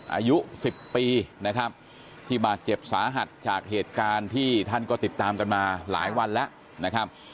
อายุ๑๐ปีนะครับที่บาดเจ็บสาหัสจากเหตุการณ์ที่ท่านก็ติดตามกันมาหลายวันแล้วนะครับ